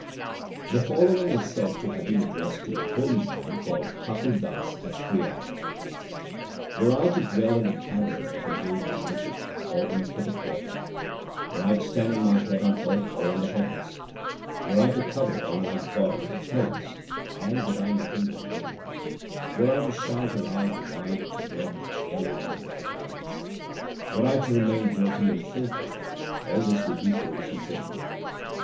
The following is said to have been addressed to a holy man called Thakur Das at Priyag : Were I to dwell in the cavern of a golden mountain or in a pit of water ; Were I to stand on my head on earth or in the heavens ; Were I to cover all my body with clothes, 1 and did I nothing but bathe ; Were I to shout aloud the white, the red, the yellow, and the black Veds ; 2 Were I to remain dirty and filthy, 3 all this would be foolish and sinful.